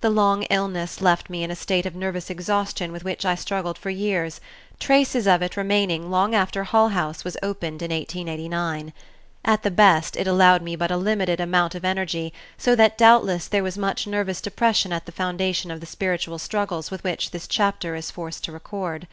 The long illness left me in a state of nervous exhaustion with which I struggled for years, traces of it remaining long after Hull House was opened in 1889. At the best it allowed me but a limited amount of energy, so that doubtless there was much nervous depression at the foundation of the spiritual struggles which this chapter is forced to record.